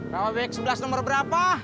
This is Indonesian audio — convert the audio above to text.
rawabebek sebelas nomor berapa